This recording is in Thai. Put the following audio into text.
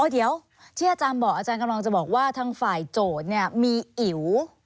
อ๋อเดี๋ยวที่อจารย์กำลังจะบอกว่าทั้งฝ่ายโจทย์เนี่ยมีอิ๋ว